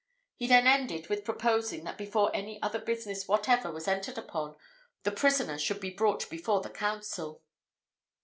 He then ended with proposing, that before any other business whatever was entered upon, the prisoner should be brought before the council.